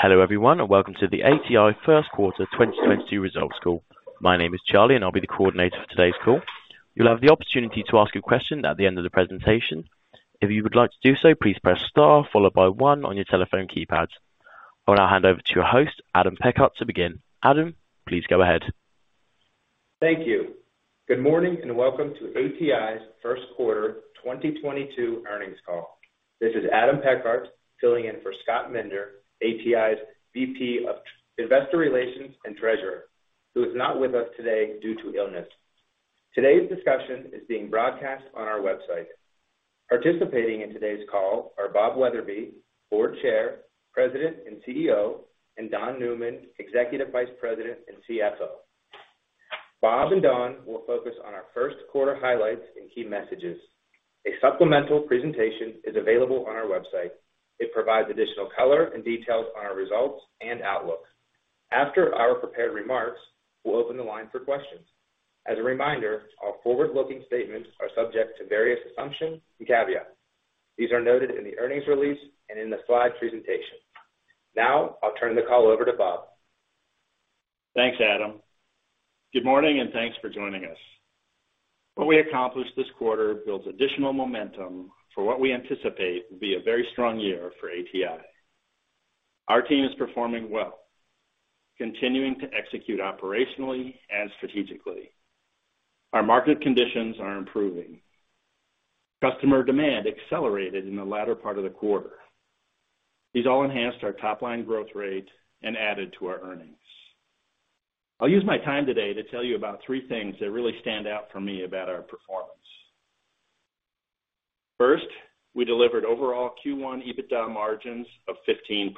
Hello everyone, and welcome to the ATI first quarter 2022 results call. My name is Charlie, and I'll be the coordinator for today's call. You'll have the opportunity to ask a question at the end of the presentation. If you would like to do so, please press star followed by one on your telephone keypad. I will now hand over to your host, Adam Pechart, to begin. Adam, please go ahead. Thank you. Good morning, and welcome to ATI's first quarter 2022 earnings call. This is Adam Pechart, filling in for Scott Minder, ATI's VP of Investor Relations and Treasurer, who is not with us today due to illness. Today's discussion is being broadcast on our website. Participating in today's call are Bob Wetherbee, Board Chair, President, and CEO, and Don Newman, Executive Vice President and CFO. Bob and Don will focus on our first quarter highlights and key messages. A supplemental presentation is available on our website. It provides additional color and details on our results and outlooks. After our prepared remarks, we'll open the line for questions. As a reminder, our forward-looking statements are subject to various assumptions and caveats. These are noted in the earnings release and in the slide presentation. Now, I'll turn the call over to Bob. Thanks, Adam. Good morning, and thanks for joining us. What we accomplished this quarter builds additional momentum for what we anticipate will be a very strong year for ATI. Our team is performing well, continuing to execute operationally and strategically. Our market conditions are improving. Customer demand accelerated in the latter part of the quarter. These all enhanced our top-line growth rate and added to our earnings. I'll use my time today to tell you about three things that really stand out for me about our performance. First, we delivered overall Q1 EBITDA margins of 15%.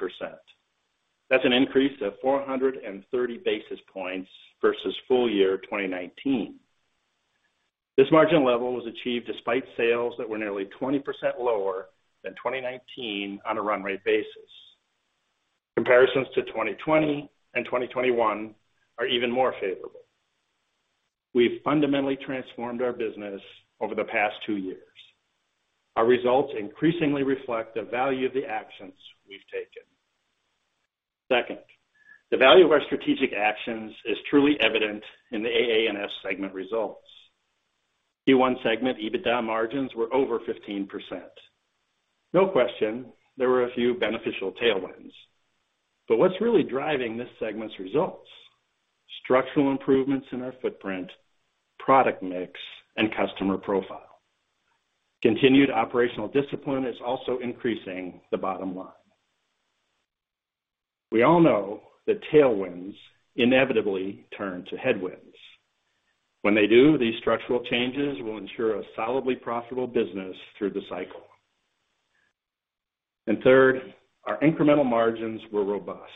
That's an increase of 430 basis points versus full year 2019. This margin level was achieved despite sales that were nearly 20% lower than 2019 on a run rate basis. Comparisons to 2020 and 2021 are even more favorable. We've fundamentally transformed our business over the past two years. Our results increasingly reflect the value of the actions we've taken. Second, the value of our strategic actions is truly evident in the AA&S segment results. Q1 segment EBITDA margins were over 15%. No question, there were a few beneficial tailwinds. But what's really driving this segment's results? Structural improvements in our footprint, product mix, and customer profile. Continued operational discipline is also increasing the bottom line. We all know that tailwinds inevitably turn to headwinds. When they do, these structural changes will ensure a solidly profitable business through the cycle. Third, our incremental margins were robust.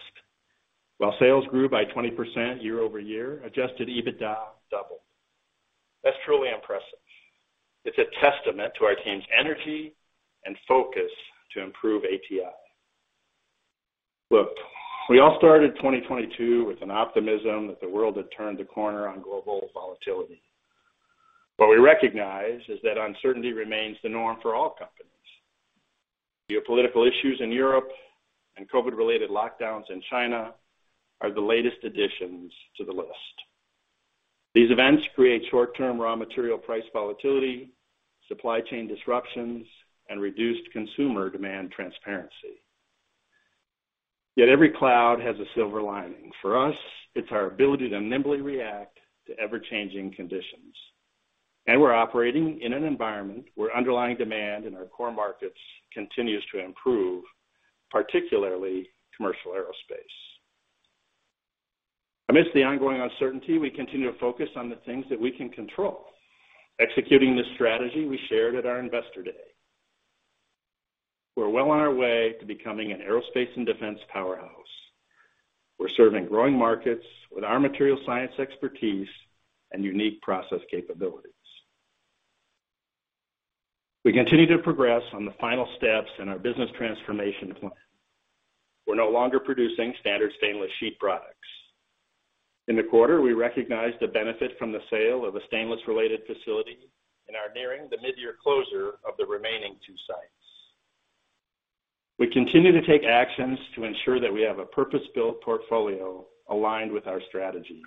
While sales grew by 20% year-over-year, adjusted EBITDA doubled. That's truly impressive. It's a testament to our team's energy and focus to improve ATI. Look, we all started 2022 with an optimism that the world had turned a corner on global volatility. What we recognize is that uncertainty remains the norm for all companies. Geopolitical issues in Europe and COVID-related lockdowns in China are the latest additions to the list. These events create short-term raw material price volatility, supply chain disruptions, and reduced consumer demand transparency. Yet every cloud has a silver lining. For us, it's our ability to nimbly react to ever-changing conditions. We're operating in an environment where underlying demand in our core markets continues to improve, particularly commercial aerospace. Amidst the ongoing uncertainty, we continue to focus on the things that we can control. Executing the strategy we shared at our Investor Day. We're well on our way to becoming an aerospace and defense powerhouse. We're serving growing markets with our material science expertise and unique process capabilities. We continue to progress on the final steps in our business transformation plan. We're no longer producing standard stainless sheet products. In the quarter, we recognized the benefit from the sale of a stainless related facility and are nearing the mid-year closure of the remaining two sites. We continue to take actions to ensure that we have a purpose-built portfolio aligned with our strategy.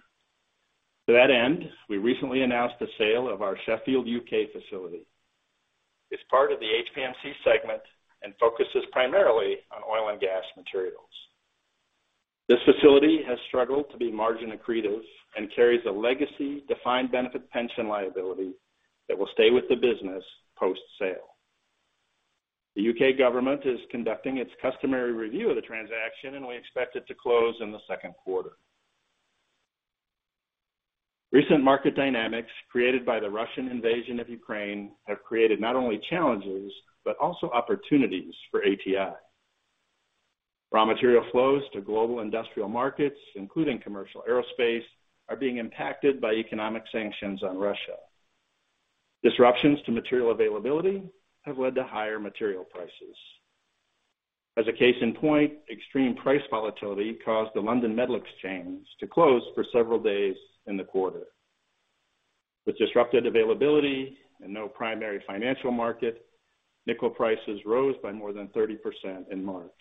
To that end, we recently announced the sale of our Sheffield, U.K. facility. It's part of the HPMC segment and focuses primarily on oil and gas materials. This facility has struggled to be margin accretive and carries a legacy defined benefit pension liability that will stay with the business post-sale. The U.K. government is conducting its customary review of the transaction, and we expect it to close in the second quarter. Recent market dynamics created by the Russian invasion of Ukraine have created not only challenges, but also opportunities for ATI. Raw material flows to global industrial markets, including commercial aerospace, are being impacted by economic sanctions on Russia. Disruptions to material availability have led to higher material prices. As a case in point, extreme price volatility caused the London Metal Exchange to close for several days in the quarter. With disrupted availability and no primary financial market, nickel prices rose by more than 30% in March.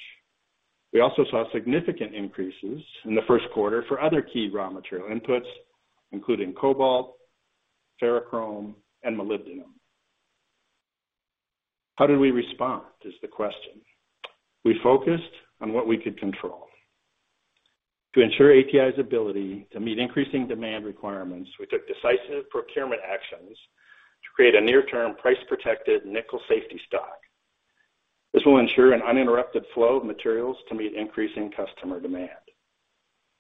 We also saw significant increases in the first quarter for other key raw material inputs, including cobalt, ferrochrome, and molybdenum. How did we respond, is the question. We focused on what we could control. To ensure ATI's ability to meet increasing demand requirements, we took decisive procurement actions to create a near-term price-protected nickel safety stock. This will ensure an uninterrupted flow of materials to meet increasing customer demand.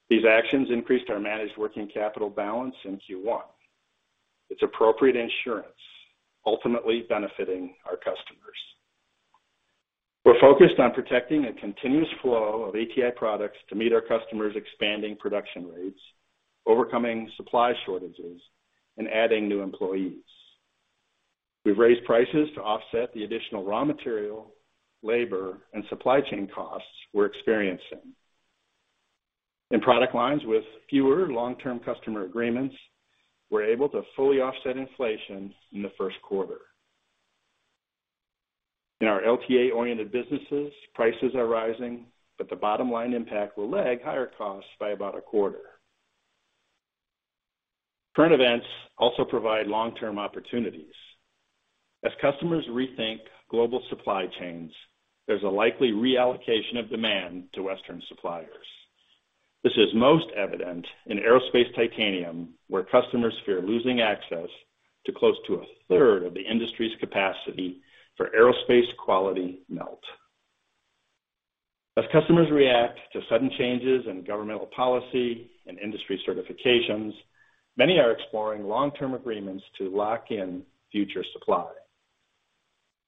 These actions increased our managed working capital balance in Q1. It's appropriate insurance, ultimately benefiting our customers. We're focused on protecting a continuous flow of ATI products to meet our customers' expanding production rates, overcoming supply shortages, and adding new employees. We've raised prices to offset the additional raw material, labor, and supply chain costs we're experiencing. In product lines with fewer long-term customer agreements, we're able to fully offset inflation in the first quarter. In our LTA-oriented businesses, prices are rising, but the bottom line impact will lag higher costs by about a quarter. Current events also provide long-term opportunities. As customers rethink global supply chains, there's a likely reallocation of demand to Western suppliers. This is most evident in aerospace titanium, where customers fear losing access to close to a third of the industry's capacity for aerospace quality melt. As customers react to sudden changes in governmental policy and industry certifications, many are exploring long-term agreements to lock in future supply.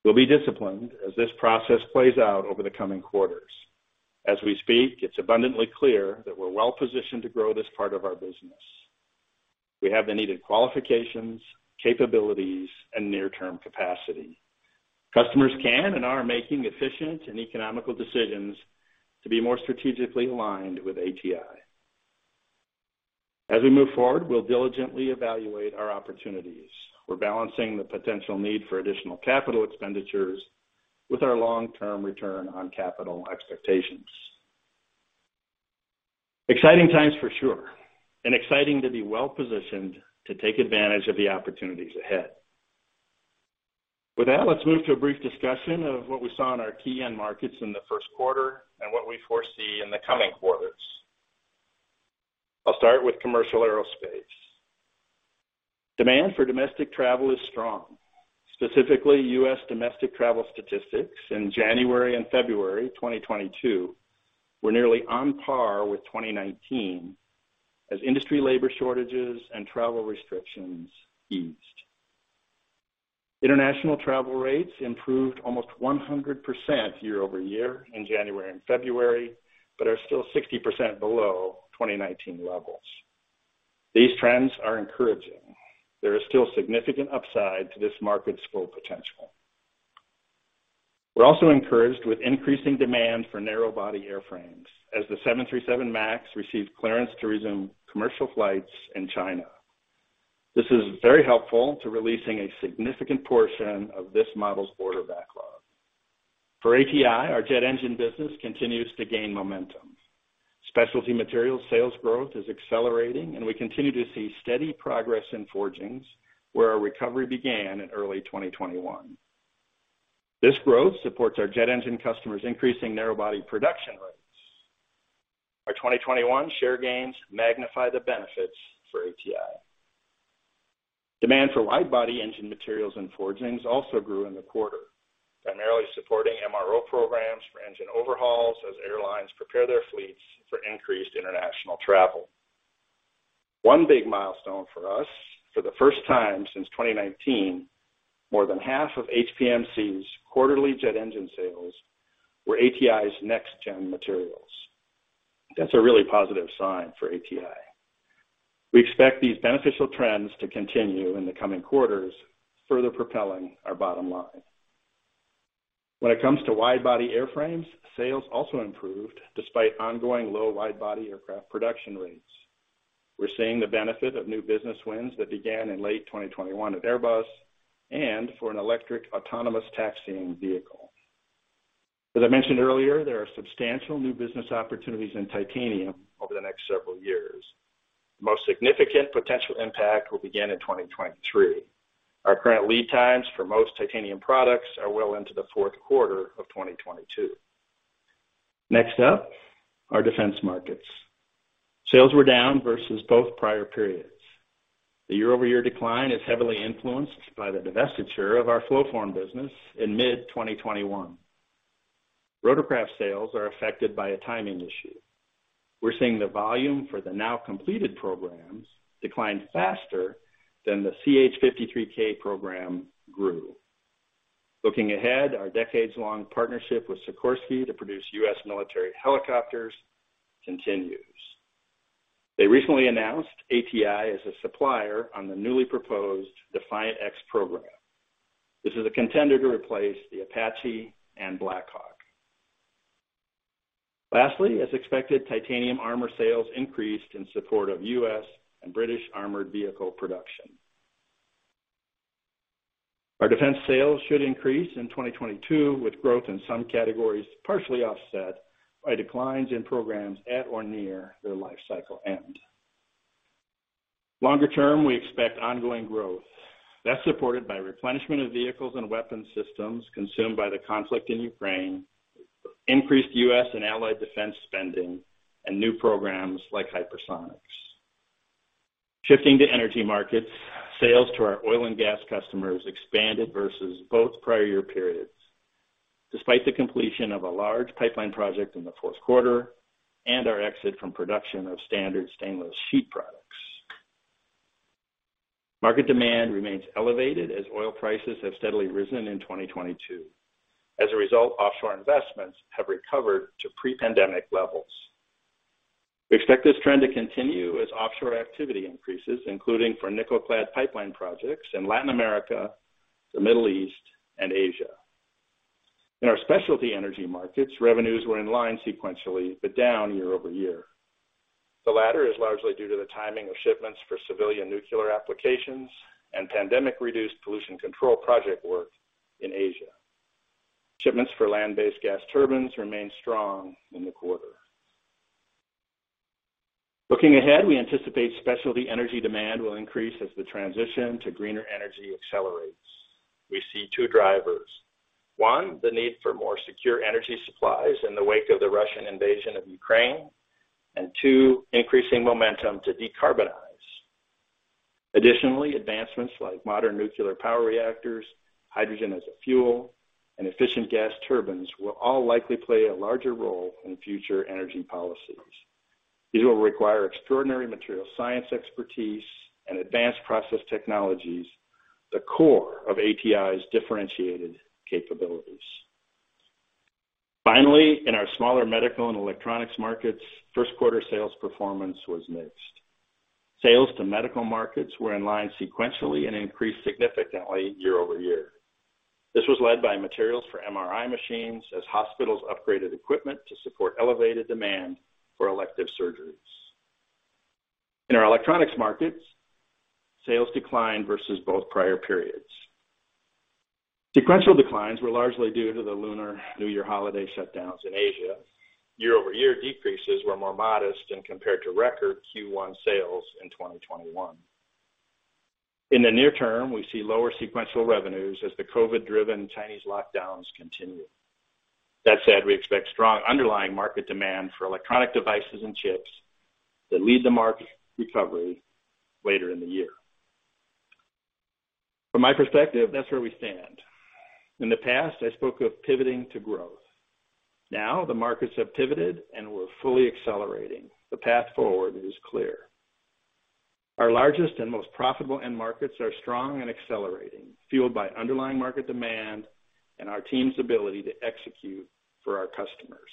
We'll be disciplined as this process plays out over the coming quarters. As we speak, it's abundantly clear that we're well-positioned to grow this part of our business. We have the needed qualifications, capabilities, and near-term capacity. Customers can and are making efficient and economical decisions to be more strategically aligned with ATI. As we move forward, we'll diligently evaluate our opportunities. We're balancing the potential need for additional capital expenditures with our long-term return on capital expectations. Exciting times for sure, and exciting to be well-positioned to take advantage of the opportunities ahead. With that, let's move to a brief discussion of what we saw in our key end markets in the first quarter and what we foresee in the coming quarters. I'll start with commercial aerospace. Demand for domestic travel is strong. Specifically, U.S. domestic travel statistics in January and February 2022 were nearly on par with 2019 as industry labor shortages and travel restrictions eased. International travel rates improved almost 100% year-over-year in January and February, but are still 60% below 2019 levels. These trends are encouraging. There is still significant upside to this market's full potential. We're also encouraged with increasing demand for narrow body airframes as the 737 MAX received clearance to resume commercial flights in China. This is very helpful to releasing a significant portion of this model's order backlog. For ATI, our jet engine business continues to gain momentum. Specialty materials sales growth is accelerating, and we continue to see steady progress in forgings where our recovery began in early 2021. This growth supports our jet engine customers increasing narrow body production rates. Our 2021 share gains magnify the benefits for ATI. Demand for wide body engine materials and forgings also grew in the quarter, primarily supporting MRO programs for engine overhauls as airlines prepare their fleets for increased international travel. One big milestone for us, for the first time since 2019, more than half of HPMC's quarterly jet engine sales were ATI's next gen materials. That's a really positive sign for ATI. We expect these beneficial trends to continue in the coming quarters, further propelling our bottom line. When it comes to wide body airframes, sales also improved despite ongoing low wide body aircraft production rates. We're seeing the benefit of new business wins that began in late 2021 at Airbus and for an electric autonomous taxiing vehicle. As I mentioned earlier, there are substantial new business opportunities in titanium over the next several years. Most significant potential impact will begin in 2023. Our current lead times for most titanium products are well into the fourth quarter of 2022. Next up, our defense markets. Sales were down versus both prior periods. The year-over-year decline is heavily influenced by the divestiture of our flow form business in mid-2021. Rotorcraft sales are affected by a timing issue. We're seeing the volume for the now completed programs decline faster than the CH-53K program grew. Looking ahead, our decades-long partnership with Sikorsky to produce U.S. military helicopters continues. They recently announced ATI as a supplier on the newly proposed Defiant X program. This is a contender to replace the Apache and Black Hawk. Lastly, as expected, titanium armor sales increased in support of U.S. and British armored vehicle production. Our defense sales should increase in 2022, with growth in some categories partially offset by declines in programs at or near their life cycle end. Longer term, we expect ongoing growth that's supported by replenishment of vehicles and weapons systems consumed by the conflict in Ukraine, increased U.S. and allied defense spending, and new programs like Hypersonics. Shifting to energy markets, sales to our oil and gas customers expanded versus both prior year periods, despite the completion of a large pipeline project in the fourth quarter and our exit from production of standard stainless sheet products. Market demand remains elevated as oil prices have steadily risen in 2022. As a result, offshore investments have recovered to pre-pandemic levels. We expect this trend to continue as offshore activity increases, including for nickel-clad pipeline projects in Latin America, the Middle East, and Asia. In our specialty energy markets, revenues were in line sequentially, but down year over year. The latter is largely due to the timing of shipments for civilian nuclear applications and pandemic-reduced pollution control project work in Asia. Shipments for land-based gas turbines remained strong in the quarter. Looking ahead, we anticipate specialty energy demand will increase as the transition to greener energy accelerates. We see two drivers. One, the need for more secure energy supplies in the wake of the Russian invasion of Ukraine. Two, increasing momentum to decarbonize. Additionally, advancements like modern nuclear power reactors, hydrogen as a fuel, and efficient gas turbines will all likely play a larger role in future energy policies. These will require extraordinary material science expertise and advanced process technologies, the core of ATI's differentiated capabilities. Finally, in our smaller medical and electronics markets, first quarter sales performance was mixed. Sales to medical markets were in line sequentially and increased significantly year-over-year. This was led by materials for MRI machines as hospitals upgraded equipment to support elevated demand for elective surgeries. In our electronics markets, sales declined versus both prior periods. Sequential declines were largely due to the Lunar New Year holiday shutdowns in Asia. Year-over-year decreases were more modest and compared to record Q1 sales in 2021. In the near term, we see lower sequential revenues as the COVID-driven Chinese lockdowns continue. That said, we expect strong underlying market demand for electronic devices and chips that lead to market recovery later in the year. From my perspective, that's where we stand. In the past, I spoke of pivoting to growth. Now the markets have pivoted, and we're fully accelerating. The path forward is clear. Our largest and most profitable end markets are strong and accelerating, fueled by underlying market demand and our team's ability to execute for our customers.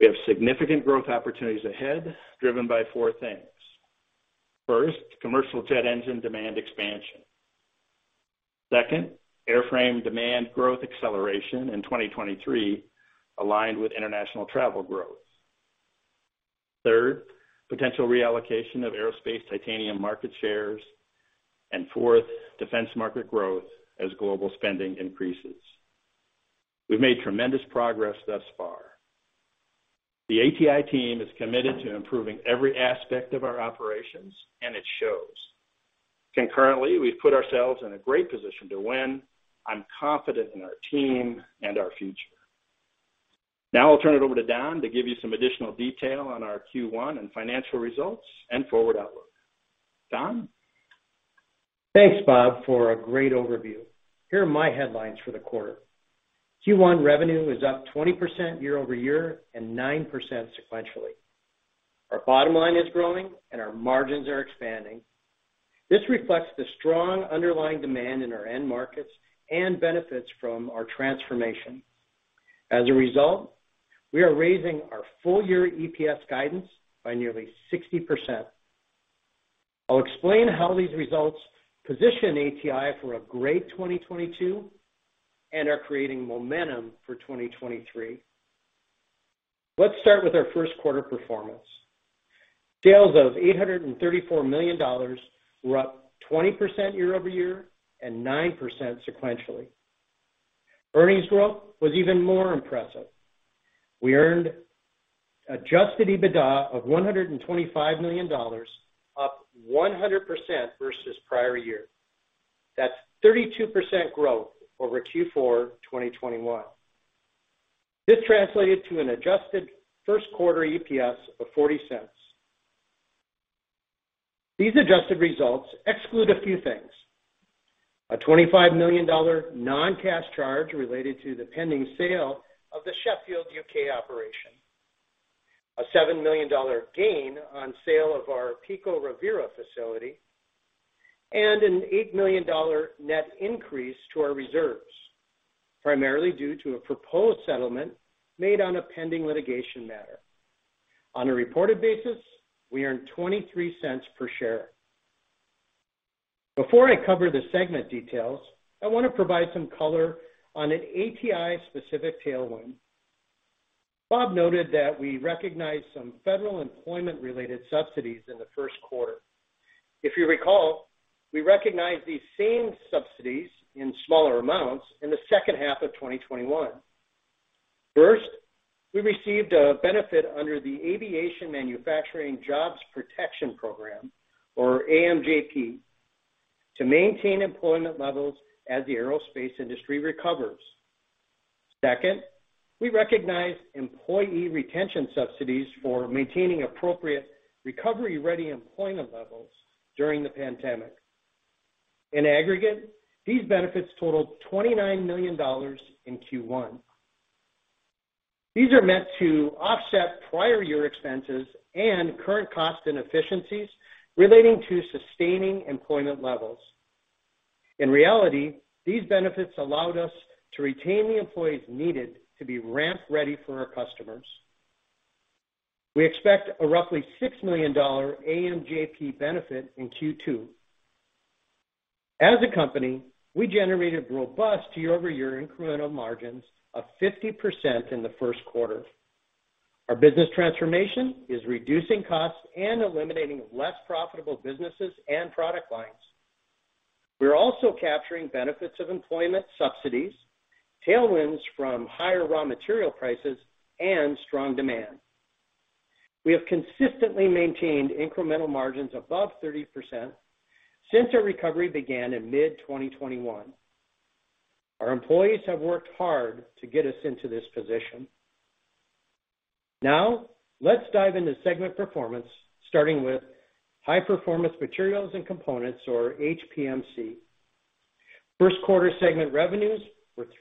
We have significant growth opportunities ahead, driven by four things. First, commercial jet engine demand expansion. Second, airframe demand growth acceleration in 2023 aligned with international travel growth. Third, potential reallocation of aerospace titanium market shares. And fourth, defense market growth as global spending increases. We've made tremendous progress thus far. The ATI team is committed to improving every aspect of our operations, and it shows. Concurrently, we've put ourselves in a great position to win. I'm confident in our team and our future. Now I'll turn it over to Don to give you some additional detail on our Q1 and financial results and forward outlook. Don? Thanks, Bob, for a great overview. Here are my headlines for the quarter. Q1 revenue is up 20% year-over-year and 9% sequentially. Our bottom line is growing, and our margins are expanding. This reflects the strong underlying demand in our end markets and benefits from our transformation. As a result, we are raising our full year EPS guidance by nearly 60%. I'll explain how these results position ATI for a great 2022 and are creating momentum for 2023. Let's start with our first quarter performance. Sales of $834 million were up 20% year-over-year and 9% sequentially. Earnings growth was even more impressive. We earned adjusted EBITDA of $125 million, up 100% versus prior year. That's 32% growth over Q4 2021. This translated to an adjusted first quarter EPS of $0.40. These adjusted results exclude a few things. A $25 million non-cash charge related to the pending sale of the Sheffield, U.K. operation. A $7 million gain on sale of our Pico Rivera facility. An $8 million net increase to our reserves, primarily due to a proposed settlement made on a pending litigation matter. On a reported basis, we earned $0.23 per share. Before I cover the segment details, I want to provide some color on an ATI specific tailwind. Bob noted that we recognized some federal employment-related subsidies in the first quarter. If you recall, we recognized these same subsidies in smaller amounts in the second half of 2021. First, we received a benefit under the Aviation Manufacturing Jobs Protection program, or AMJP, to maintain employment levels as the aerospace industry recovers. Second, we recognized employee retention subsidies for maintaining appropriate recovery-ready employment levels during the pandemic. In aggregate, these benefits totaled $29 million in Q1. These are meant to offset prior year expenses and current cost inefficiencies relating to sustaining employment levels. In reality, these benefits allowed us to retain the employees needed to be ramp ready for our customers. We expect a roughly $6 million AMJP benefit in Q2. As a company, we generated robust year-over-year incremental margins of 50% in the first quarter. Our business transformation is reducing costs and eliminating less profitable businesses and product lines. We are also capturing benefits of employment subsidies, tailwinds from higher raw material prices, and strong demand. We have consistently maintained incremental margins above 30% since our recovery began in mid-2021. Our employees have worked hard to get us into this position. Now, let's dive into segment performance, starting with High Performance Materials & Components, or HPMC. First quarter segment revenues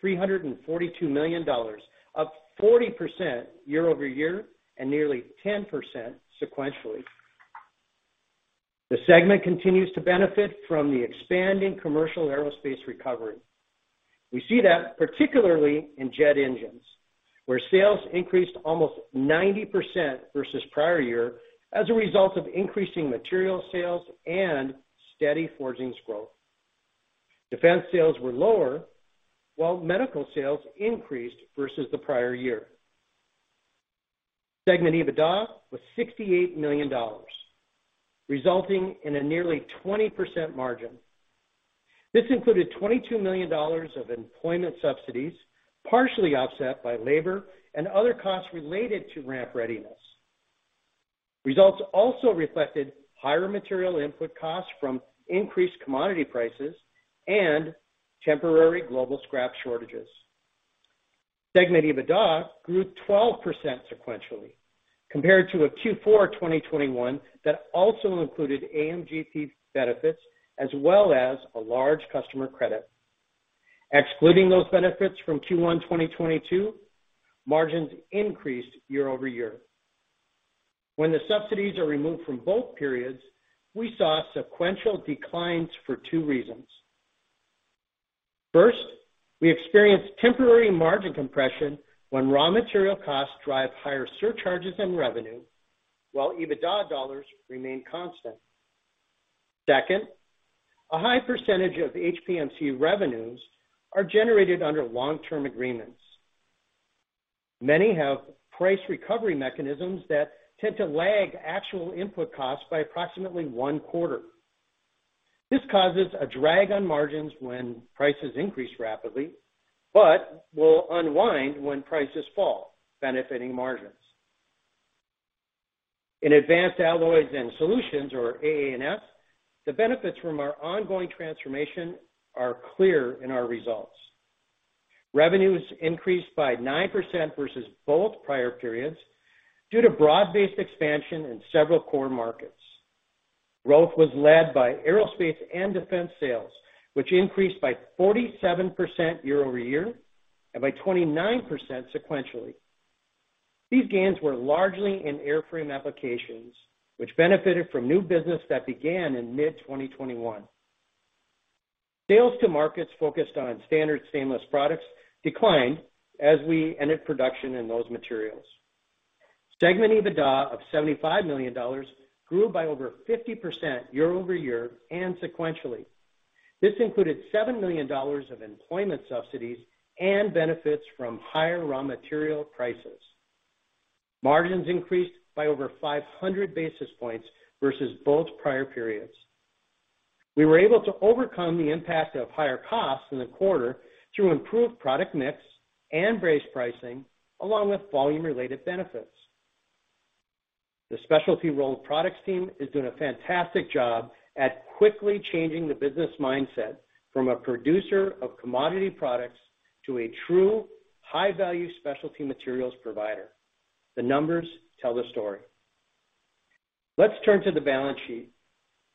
were $342 million, up 40% year-over-year and nearly 10% sequentially. The segment continues to benefit from the expanding commercial aerospace recovery. We see that particularly in jet engines, where sales increased almost 90% versus prior year as a result of increasing material sales and steady forgings growth. Defense sales were lower, while medical sales increased versus the prior year. Segment EBITDA was $68 million, resulting in a nearly 20% margin. This included $22 million of employment subsidies, partially offset by labor and other costs related to ramp readiness. Results also reflected higher material input costs from increased commodity prices and temporary global scrap shortages. Segment EBITDA grew 12% sequentially compared to a Q4 2021 that also included AMJP benefits as well as a large customer credit. Excluding those benefits from Q1 2022, margins increased year-over-year. When the subsidies are removed from both periods, we saw sequential declines for two reasons. First, we experienced temporary margin compression when raw material costs drive higher surcharges and revenue, while EBITDA dollars remain constant. Second, a high percentage of HPMC revenues are generated under long-term agreements. Many have price recovery mechanisms that tend to lag actual input costs by approximately one quarter. This causes a drag on margins when prices increase rapidly, but will unwind when prices fall, benefiting margins. In Advanced Alloys and Solutions, or AA&S, the benefits from our ongoing transformation are clear in our results. Revenues increased by 9% versus both prior periods due to broad-based expansion in several core markets. Growth was led by aerospace and defense sales, which increased by 47% year-over-year and by 29% sequentially. These gains were largely in airframe applications, which benefited from new business that began in mid-2021. Sales to markets focused on standard stainless products declined as we ended production in those materials. Segment EBITDA of $75 million grew by over 50% year-over-year and sequentially. This included $7 million of employment subsidies and benefits from higher raw material prices. Margins increased by over 500 basis points versus both prior periods. We were able to overcome the impact of higher costs in the quarter through improved product mix and raised pricing, along with volume-related benefits. The Specialty Rolled Products team is doing a fantastic job at quickly changing the business mindset from a producer of commodity products to a true high-value specialty materials provider. The numbers tell the story. Let's turn to the balance sheet,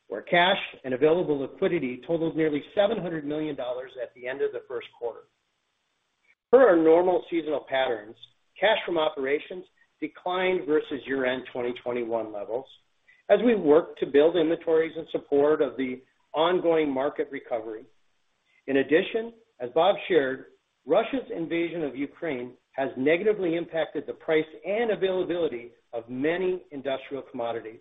where cash and available liquidity totaled nearly $700 million at the end of the first quarter. Per our normal seasonal patterns, cash from operations declined versus year-end 2021 levels as we worked to build inventories in support of the ongoing market recovery. In addition, as Bob shared, Russia's invasion of Ukraine has negatively impacted the price and availability of many industrial commodities.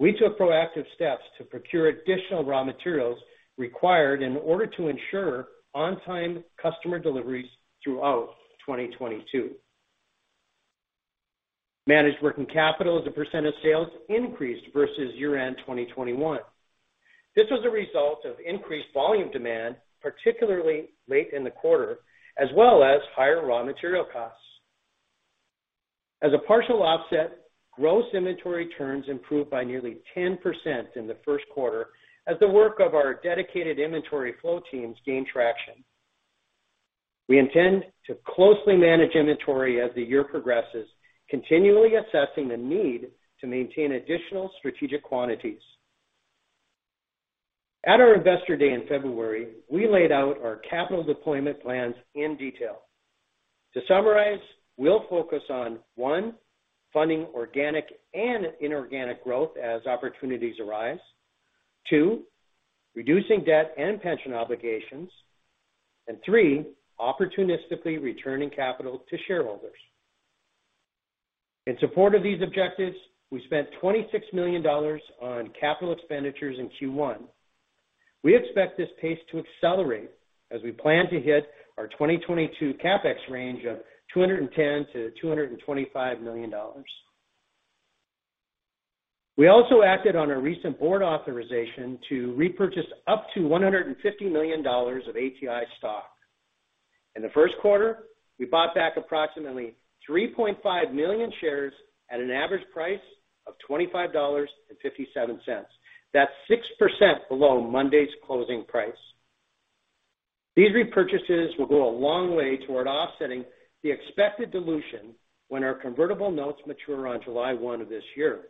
We took proactive steps to procure additional raw materials required in order to ensure on-time customer deliveries throughout 2022. Managed working capital as a percent of sales increased versus year-end 2021. This was a result of increased volume demand, particularly late in the quarter, as well as higher raw material costs. As a partial offset, gross inventory turns improved by nearly 10% in the first quarter as the work of our dedicated inventory flow teams gained traction. We intend to closely manage inventory as the year progresses, continually assessing the need to maintain additional strategic quantities. At our Investor Day in February, we laid out our capital deployment plans in detail. To summarize, we'll focus on, one, funding organic and inorganic growth as opportunities arise. Two, reducing debt and pension obligations. And three, opportunistically returning capital to shareholders. In support of these objectives, we spent $26 million on capital expenditures in Q1. We expect this pace to accelerate as we plan to hit our 2022 CapEx range of $210 million-$225 million. We also acted on our recent board authorization to repurchase up to $150 million of ATI stock. In the first quarter, we bought back approximately 3.5 million shares at an average price of $25.57. That's 6% below Monday's closing price. These repurchases will go a long way toward offsetting the expected dilution when our convertible notes mature on July 1 of this year.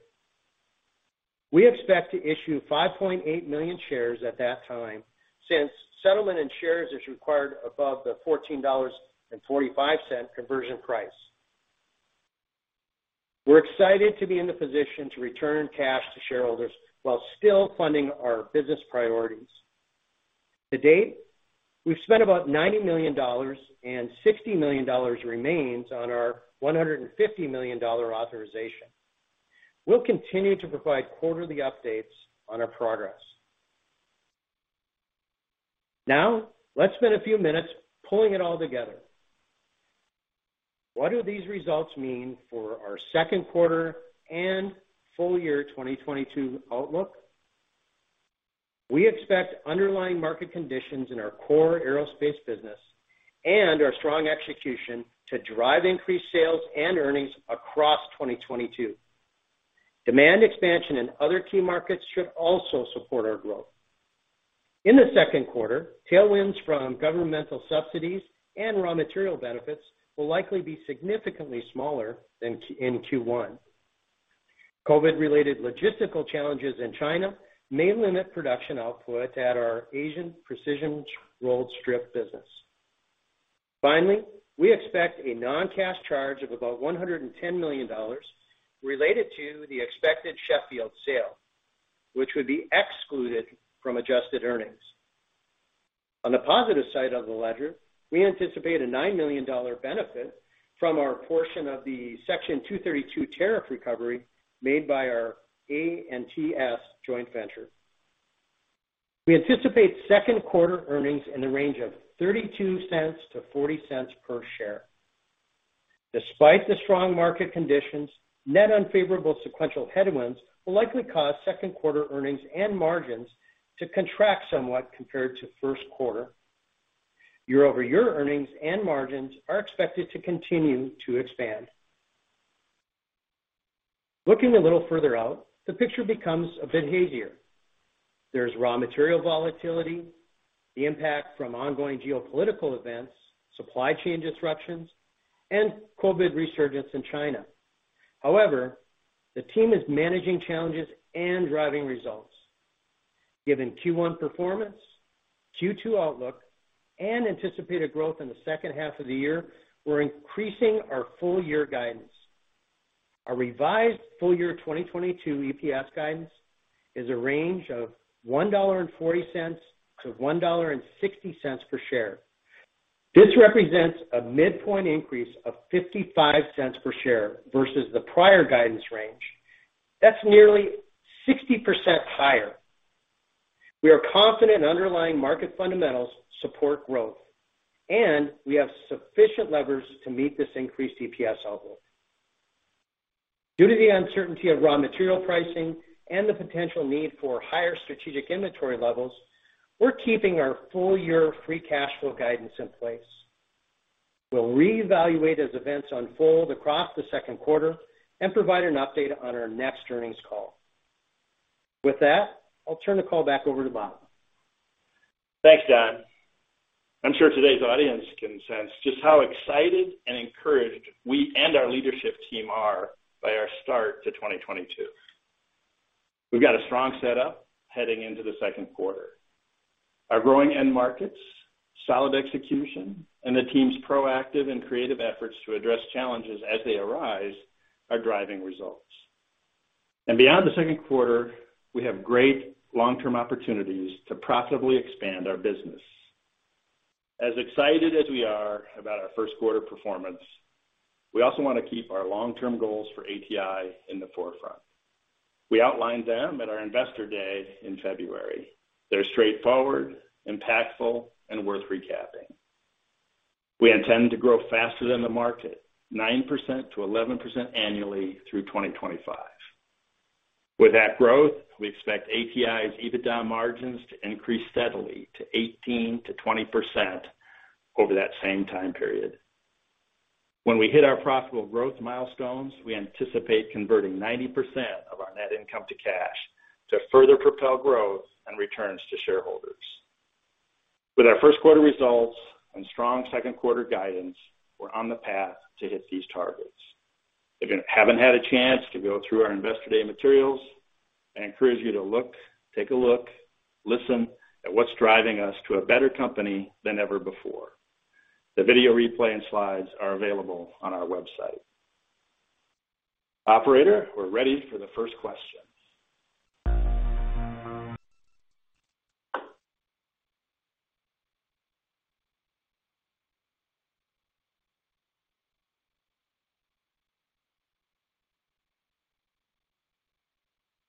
We expect to issue 5.8 million shares at that time, since settlement and shares is required above the $14.45 conversion price. We're excited to be in the position to return cash to shareholders while still funding our business priorities. To date, we've spent about $90 million, and $60 million remains on our $150 million authorization. We'll continue to provide quarterly updates on our progress. Now, let's spend a few minutes pulling it all together. What do these results mean for our second quarter and full year 2022 outlook? We expect underlying market conditions in our core aerospace business and our strong execution to drive increased sales and earnings across 2022. Demand expansion in other key markets should also support our growth. In the second quarter, tailwinds from governmental subsidies and raw material benefits will likely be significantly smaller than in Q1. COVID-related logistical challenges in China may limit production output at our Asian precision rolled strip business. Finally, we expect a non-cash charge of about $110 million related to the expected Sheffield sale, which would be excluded from adjusted earnings. On the positive side of the ledger, we anticipate a $9 million benefit from our portion of the Section 232 tariff recovery made by our A&T's joint venture. We anticipate second quarter earnings in the range of $0.32-$0.40 per share. Despite the strong market conditions, net unfavorable sequential headwinds will likely cause second quarter earnings and margins to contract somewhat compared to first quarter. Year-over-year earnings and margins are expected to continue to expand. Looking a little further out, the picture becomes a bit hazier. There's raw material volatility, the impact from ongoing geopolitical events, supply chain disruptions, and COVID resurgence in China. However, the team is managing challenges and driving results. Given Q1 performance, Q2 outlook, and anticipated growth in the second half of the year, we're increasing our full year guidance. Our revised full year 2022 EPS guidance is a range of $1.40-$1.60 per share. This represents a midpoint increase of $0.55 per share versus the prior guidance range. That's nearly 60% higher. We are confident underlying market fundamentals support growth, and we have sufficient levers to meet this increased EPS outlook. Due to the uncertainty of raw material pricing and the potential need for higher strategic inventory levels, we're keeping our full year free cash flow guidance in place. We'll reevaluate as events unfold across the second quarter and provide an update on our next earnings call. With that, I'll turn the call back over to Bob. Thanks, Don. I'm sure today's audience can sense just how excited and encouraged we and our leadership team are by our start to 2022. We've got a strong setup heading into the second quarter. Our growing end markets, solid execution, and the team's proactive and creative efforts to address challenges as they arise are driving results. Beyond the second quarter, we have great long-term opportunities to profitably expand our business. As excited as we are about our first quarter performance, we also want to keep our long-term goals for ATI in the forefront. We outlined them at our Investor Day in February. They're straightforward, impactful, and worth recapping. We intend to grow faster than the market, 9%-11% annually through 2025. With that growth, we expect ATI's EBITDA margins to increase steadily to 18%-20% over that same time period. When we hit our profitable growth milestones, we anticipate converting 90% of our net income to cash to further propel growth and returns to shareholders. With our first quarter results and strong second quarter guidance, we're on the path to hit these targets. If you haven't had a chance to go through our Investor Day materials, I encourage you to take a look, listen to what's driving us to a better company than ever before. The video replay and slides are available on our website. Operator, we're ready for the first question.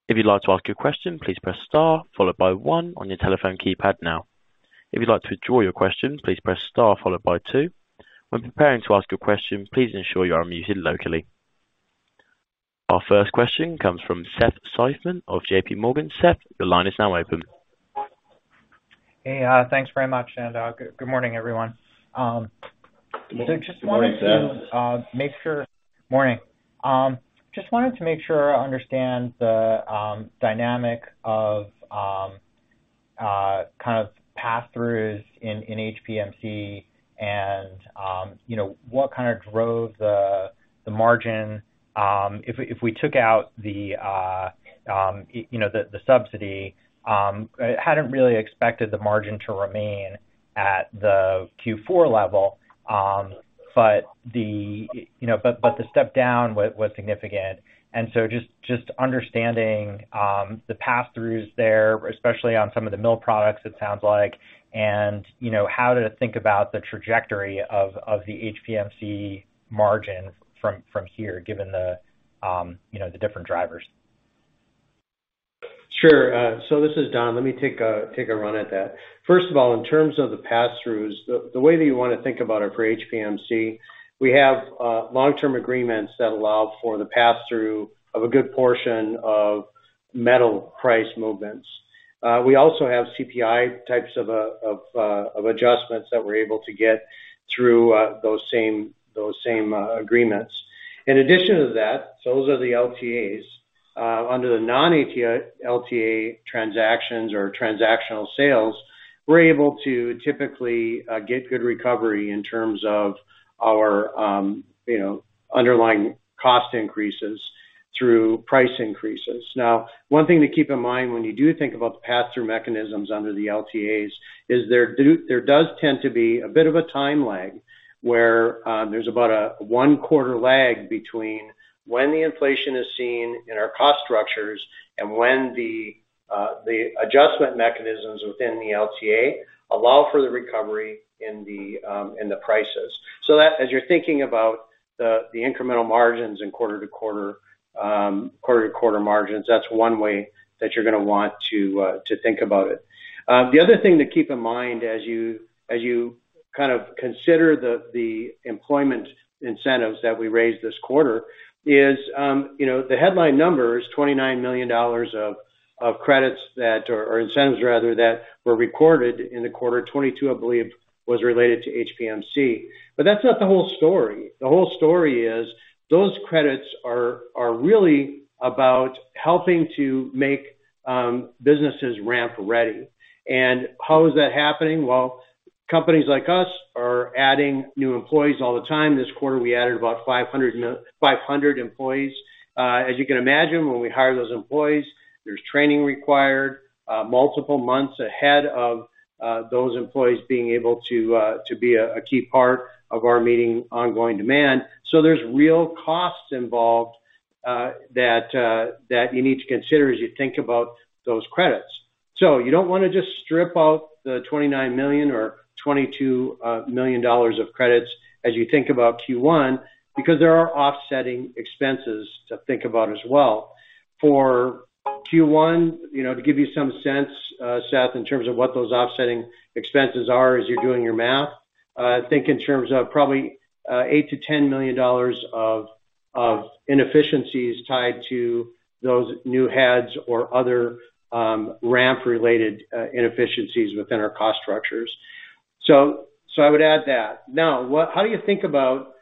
If you'd like to ask a question, please press star followed by one on your telephone keypad now. If you'd like to withdraw your question, please press star followed by two. When preparing to ask a question, please ensure you are unmuted locally. Our first question comes from Seth Seifman of JPMorgan. Seth, your line is now open. Hey, thanks very much, and good morning, everyone. Just wanted to- Good morning, Seth. Morning. Just wanted to make sure I understand the dynamic of kind of pass-throughs in HPMC and, you know, what kind of drove the margin if we took out, you know, the subsidy. Hadn't really expected the margin to remain at the Q4 level, but the step down was significant. Just understanding the pass-throughs there, especially on some of the mill products, it sounds like, and, you know, how to think about the trajectory of the HPMC margin from here, given the, you know, the different drivers. Sure. This is Don. Let me take a run at that. First of all, in terms of the pass-throughs, the way that you wanna think about it for HPMC, we have long-term agreements that allow for the pass-through of a good portion of metal price movements. We also have CPI types of adjustments that we're able to get through those same agreements. In addition to that, those are the LTAs. Under the non-LTA transactions or transactional sales, we're able to typically get good recovery in terms of our you know underlying cost increases through price increases. Now, one thing to keep in mind when you do think about the pass-through mechanisms under the LTAs is there does tend to be a bit of a time lag, where there's about a one-quarter lag between when the inflation is seen in our cost structures and when the adjustment mechanisms within the LTA allow for the recovery in the prices. So that as you're thinking about the incremental margins in quarter to quarter margins, that's one way that you're gonna want to think about it. The other thing to keep in mind as you kind of consider the employment incentives that we raised this quarter is, you know, the headline number is $29 million of credits, or incentives rather, that were recorded in the quarter. $22 million, I believe, was related to HPMC. That's not the whole story. The whole story is those credits are really about helping to make businesses ramp ready. How is that happening? Well, companies like us are adding new employees all the time. This quarter, we added about 500 employees. As you can imagine, when we hire those employees, there's training required, multiple months ahead of those employees being able to be a key part of meeting our ongoing demand. There's real costs involved that you need to consider as you think about those credits. You don't wanna just strip out the $29 million or $22 million of credits as you think about Q1, because there are offsetting expenses to think about as well. For Q1, to give you some sense, Seth, in terms of what those offsetting expenses are as you're doing your math, think in terms of probably $8 million-$10 million of inefficiencies tied to those new heads or other ramp-related inefficiencies within our cost structures. I would add that. Now, how do you think about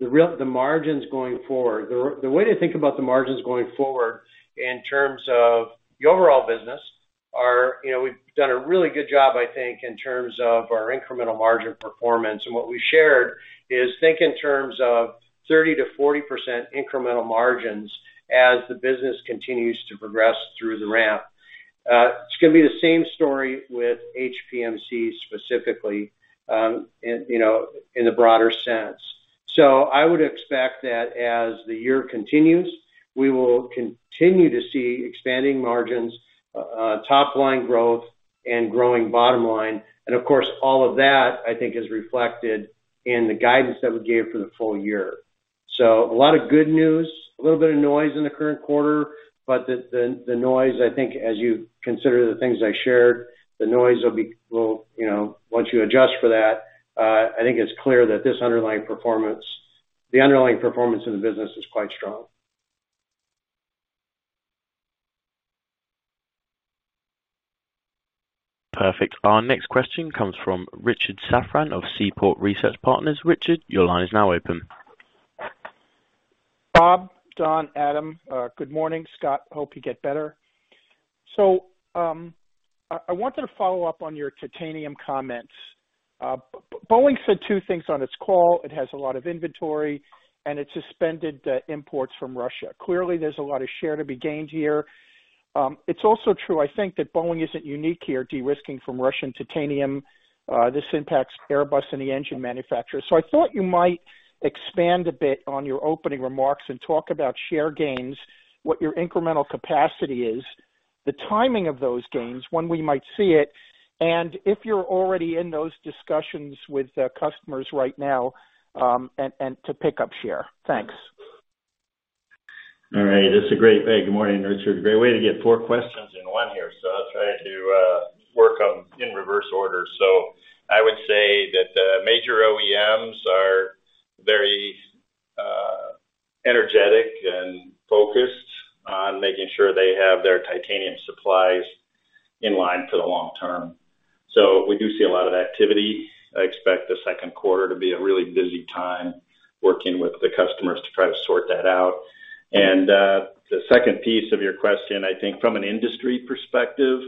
the margins going forward? The way to think about the margins going forward in terms of the overall business are, you know, we've done a really good job, I think, in terms of our incremental margin performance. What we shared is think in terms of 30%-40% incremental margins as the business continues to progress through the ramp. It's gonna be the same story with HPMC specifically, and you know, in the broader sense. I would expect that as the year continues, we will continue to see expanding margins, top line growth and growing bottom line. Of course, all of that, I think, is reflected in the guidance that we gave for the full year. A lot of good news, a little bit of noise in the current quarter, but the noise I think as you consider the things I shared, the noise will, you know, once you adjust for that, I think it's clear that this underlying performance of the business is quite strong. Perfect. Our next question comes from Richard Safran of Seaport Research Partners. Richard, your line is now open. Bob, Don, Adam, good morning. Scott, hope you get better. I wanted to follow up on your titanium comments. Boeing said two things on its call. It has a lot of inventory, and it suspended the imports from Russia. Clearly, there's a lot of share to be gained here. It's also true, I think that Boeing isn't unique here, de-risking from Russian titanium, the next is Airbus and the engine manufacturer. I thought you might expand a bit on your opening remarks and talk about share gains, what your incremental capacity is, the timing of those gains, when we might see it, and if you're already in those discussions with the customers right now, and to pick up share. Thanks. All right. It's a great way. Good morning, Richard. Great way to get four questions in one here, so I'll try to work them in reverse order. I would say that the major OEMs are very energetic and focused on making sure they have their titanium supplies in line for the long term. We do see a lot of activity. I expect the second quarter to be a really busy time working with the customers to try to sort that out. The second piece of your question, I think from an industry perspective,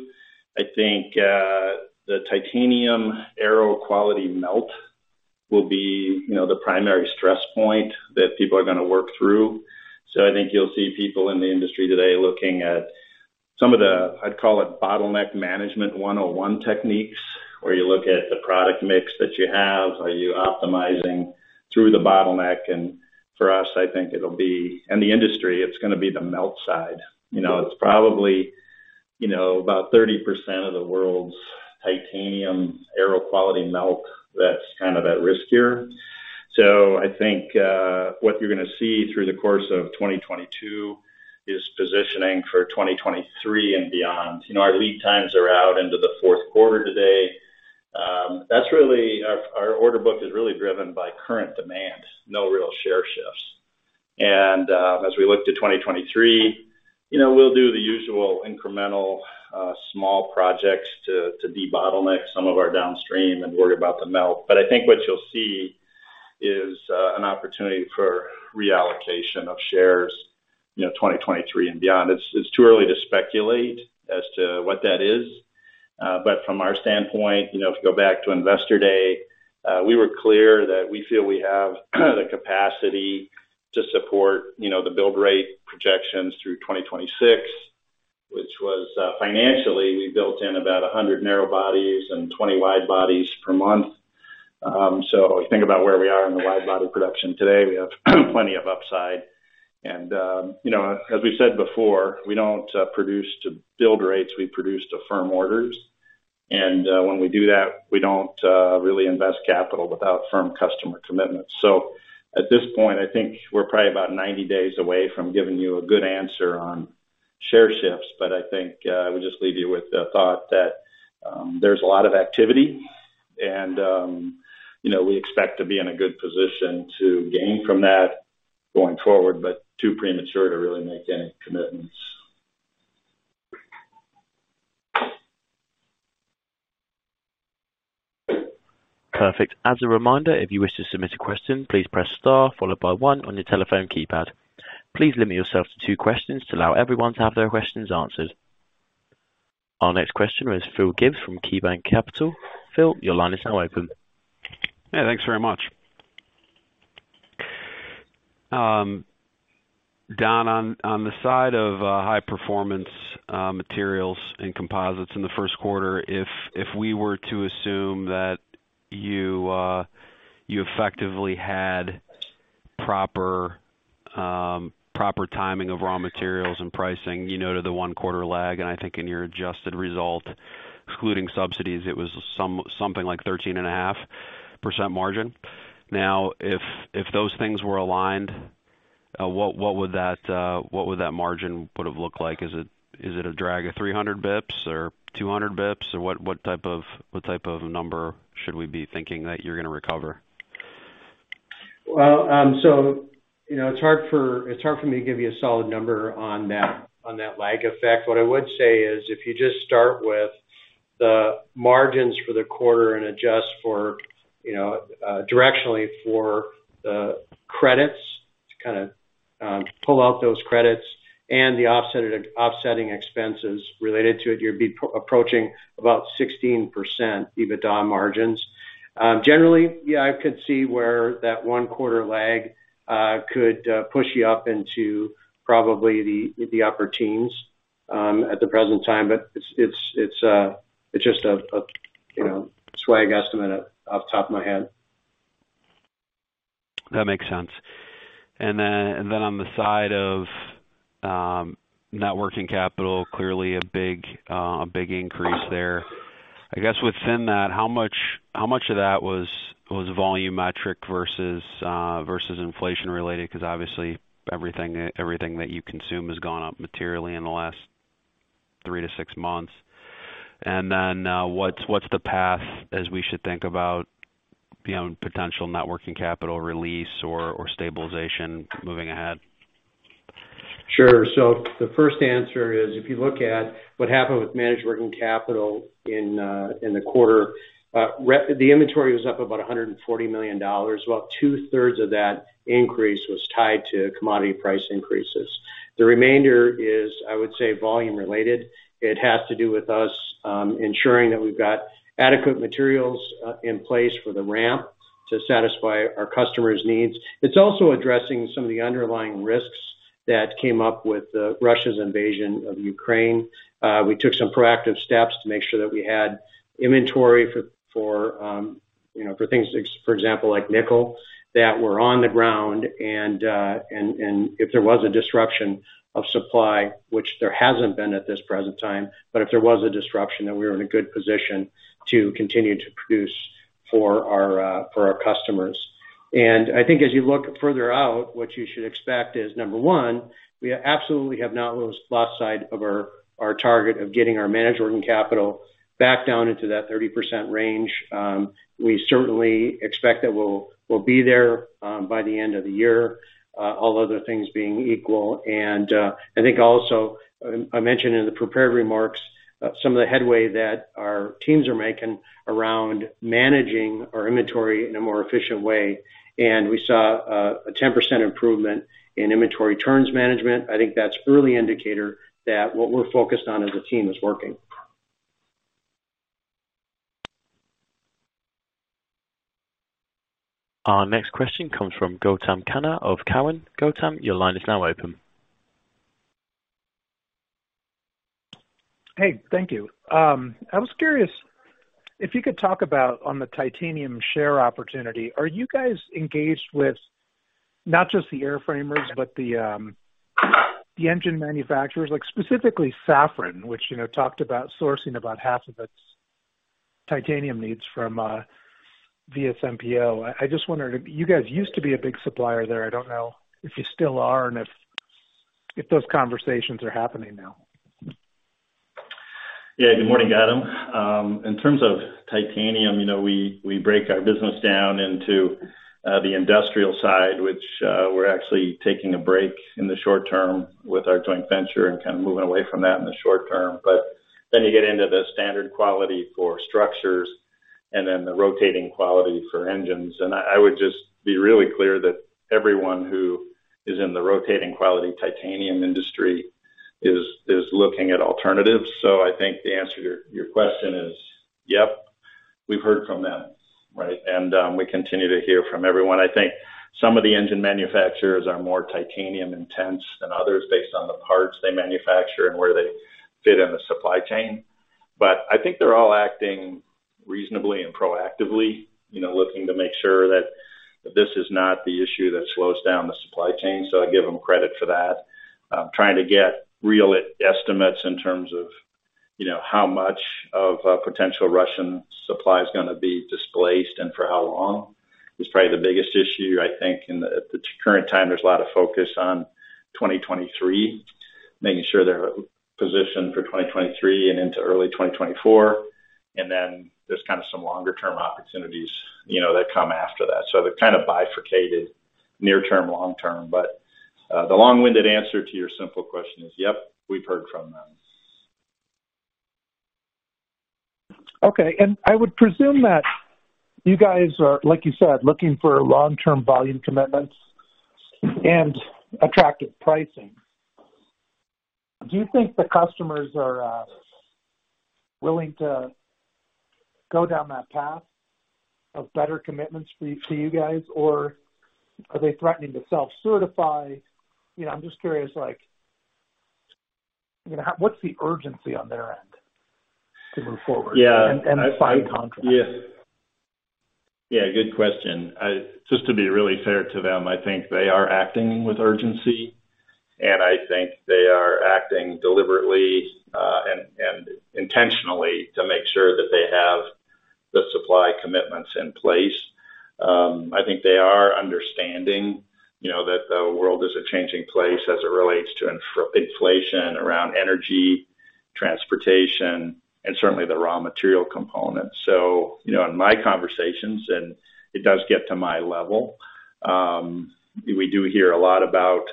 the titanium aero quality melt will be, you know, the primary stress point that people are gonna work through. I think you'll see people in the industry today looking at some of the, I'd call it bottleneck management one-on-one techniques, where you look at the product mix that you have. Are you optimizing through the bottleneck? And for us, I think it'll be, in the industry, it's gonna be the melt side. You know, it's probably, you know, about 30% of the world's titanium aero quality melt that's kind of at risk here. I think what you're gonna see through the course of 2022 is positioning for 2023 and beyond. You know, our lead times are out into the fourth quarter today. That's really our order book is really driven by current demand, no real share shifts. As we look to 2023, you know, we'll do the usual incremental small projects to debottleneck some of our downstream and worry about the melt. But I think what you'll see is an opportunity for reallocation of shares, you know, 2023 and beyond. It's too early to speculate as to what that is. But from our standpoint, you know, if you go back to Investor Day, we were clear that we feel we have the capacity to support, you know, the build rate projections through 2026, which was, financially, we built in about 100 narrow bodies and 20 wide bodies per month. So if you think about where we are in the wide body production today, we have plenty of upside. You know, as we said before, we don't produce to build rates, we produce to firm orders. When we do that, we don't really invest capital without firm customer commitments. At this point, I think we're probably about 90 days away from giving you a good answer on share shifts. I think I would just leave you with the thought that there's a lot of activity and you know, we expect to be in a good position to gain from that going forward, but too premature to really make any commitments. Perfect. As a reminder, if you wish to submit a question, please press star followed by one on your telephone keypad. Please limit yourself to two questions to allow everyone to have their questions answered. Our next question is Phil Gibbs from KeyBanc Capital Markets. Phil, your line is now open. Yeah, thanks very much. Don, on the side of high performance materials and components in the first quarter, if we were to assume that you effectively had proper timing of raw materials and pricing, you know, to the one quarter lag, and I think in your adjusted result, excluding subsidies, it was something like 13.5% margin. Now, if those things were aligned, what would that margin have looked like? Is it a drag of 300 basis points or 200 basis points? Or what type of number should we be thinking that you're gonna recover? You know, it's hard for me to give you a solid number on that lag effect. What I would say is if you just start with the margins for the quarter and adjust for, you know, directionally for the credits to kinda pull out those credits and the offsetting expenses related to it, you'd be approaching about 16% EBITDA margins. Generally, yeah, I could see where that one-quarter lag could push you up into probably the upper teens at the present time. It's just a, you know, swag estimate off the top of my head. That makes sense. On the side of net working capital, clearly a big increase there. I guess within that, how much of that was volumetric versus inflation related? Because obviously everything that you consume has gone up materially in the last three to six months. What's the path as we should think about, you know, potential net working capital release or stabilization moving ahead? Sure. The first answer is, if you look at what happened with managed working capital in the quarter, the inventory was up about $140 million. About 2/3 of that increase was tied to commodity price increases. The remainder is, I would say, volume related. It has to do with us ensuring that we've got adequate materials in place for the ramp to satisfy our customers' needs. It's also addressing some of the underlying risks that came up with Russia's invasion of Ukraine. We took some proactive steps to make sure that we had inventory for, you know, things, for example, like nickel, that were on the ground. If there was a disruption of supply, which there hasn't been at this present time, but if there was a disruption, that we were in a good position to continue to produce for our customers. I think as you look further out, what you should expect is, number one, we absolutely have not lost sight of our target of getting our managed working capital back down into that 30% range. We certainly expect that we'll be there by the end of the year, all other things being equal. I think also, I mentioned in the prepared remarks, some of the headway that our teams are making around managing our inventory in a more efficient way. We saw a 10% improvement in inventory turns management. I think that's an early indicator that what we're focused on as a team is working. Our next question comes from Gautam Khanna of Cowen. Gautam, your line is now open. Hey, thank you. I was curious if you could talk about on the titanium share opportunity, are you guys engaged with not just the airframers, but the engine manufacturers, like specifically Safran, which, you know, talked about sourcing about half of its titanium needs from via VSMPO. I just wondered, you guys used to be a big supplier there. I don't know if you still are and if those conversations are happening now. Yeah. Good morning, Gautam. In terms of titanium, you know, we break our business down into the industrial side, which we're actually taking a break in the short term with our joint venture and kind of moving away from that in the short term. You get into the standard quality for structures and then the rotating quality for engines. I would just be really clear that everyone who is in the rotating quality titanium industry is looking at alternatives. I think the answer to your question is, yep, we've heard from them, right? We continue to hear from everyone. I think some of the engine manufacturers are more titanium intense than others based on the parts they manufacture and where they fit in the supply chain. I think they're all acting reasonably and proactively, you know, looking to make sure that this is not the issue that slows down the supply chain. I give them credit for that. Trying to get real estimates in terms of, you know, how much of potential Russian supply is gonna be displaced and for how long is probably the biggest issue. I think at the current time, there's a lot of focus on 2023, making sure they're positioned for 2023 and into early 2024. Then there's kind of some longer term opportunities, you know, that come after that. They're kind of bifurcated near term, long term. The long-winded answer to your simple question is, yep, we've heard from them. Okay. I would presume that you guys are, like you said, looking for long-term volume commitments and attractive pricing. Do you think the customers are willing to go down that path of better commitments for you guys, or are they threatening to self-certify? You know, I'm just curious, like, you know, what's the urgency on their end to move forward? [To sign contracts.] Yeah. Yeah, good question. Just to be really fair to them, I think they are acting with urgency, and I think they are acting deliberately, and intentionally to make sure that they have the supply commitments in place. I think they are understanding, you know, that the world is a changing place as it relates to inflation around energy, transportation, and certainly the raw material component. You know, in my conversations, and it does get to my level, we do hear a lot about,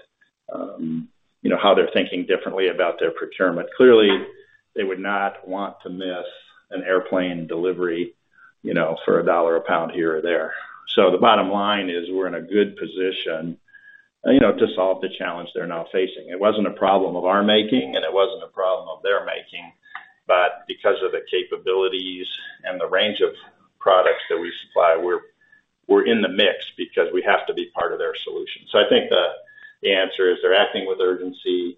you know, how they're thinking differently about their procurement. Clearly, they would not want to miss an airplane delivery, you know, for a dollar a pound here or there. The bottom line is, we're in a good position. You know, to solve the challenge they're now facing. It wasn't a problem of our making, and it wasn't a problem of their making. Because of the capabilities and the range of products that we supply, we're in the mix because we have to be part of their solution. I think the answer is they're acting with urgency.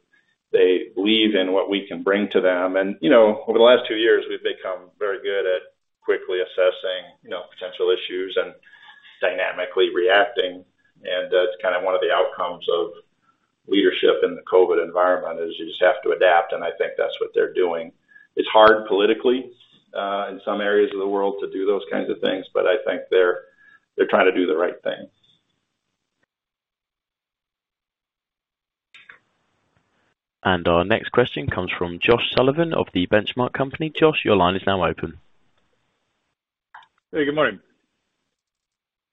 They believe in what we can bring to them. You know, over the last two years, we've become very good at quickly assessing, you know, potential issues and dynamically reacting. That's kind of one of the outcomes of leadership in the COVID environment, is you just have to adapt, and I think that's what they're doing. It's hard politically in some areas of the world to do those kinds of things, but I think they're trying to do the right thing. Our next question comes from Josh Sullivan of The Benchmark Company. Josh, your line is now open. Hey, good morning.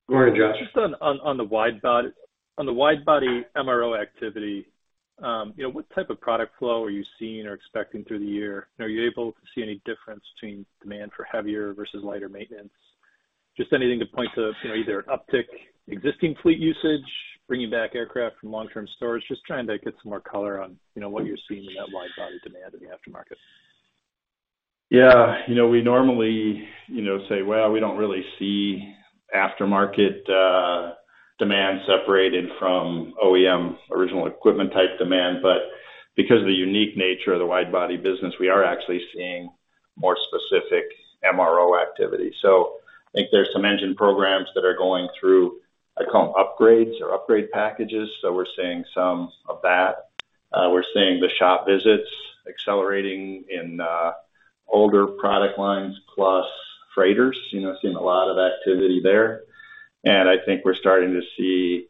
Good morning, Josh. Just on the wide body MRO activity, you know, what type of product flow are you seeing or expecting through the year? Are you able to see any difference between demand for heavier versus lighter maintenance? Just anything to point to, you know, either uptick existing fleet usage, bringing back aircraft from long-term storage. Just trying to get some more color on, you know, what you're seeing in that wide body demand in the aftermarket. Yeah. You know, we normally, you know, say, well, we don't really see aftermarket demand separated from OEM original equipment type demand. Because of the unique nature of the wide body business, we are actually seeing more specific MRO activity. I think there's some engine programs that are going through, I call them upgrades or upgrade packages, so we're seeing some of that. We're seeing the shop visits accelerating in older product lines, plus freighters, you know, seeing a lot of activity there. I think we're starting to see